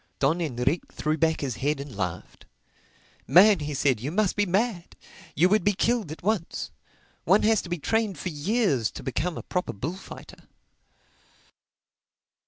Don Enrique threw back his head and laughed. "Man," he said, "you must be mad! You would be killed at once. One has to be trained for years to become a proper bullfighter."